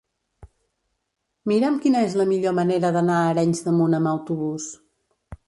Mira'm quina és la millor manera d'anar a Arenys de Munt amb autobús.